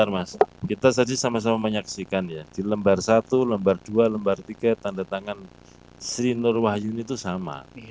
mas kita tadi sama sama menyaksikan ya di lembar satu lembar dua lembar tiga tanda tangan sri nur wahyuni itu sama